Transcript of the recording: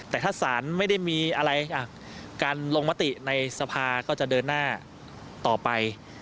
แต่ถ้าศาลไม่ได้มีอะไรการลงมติในสภาก็จะเดินหน้าต่อไป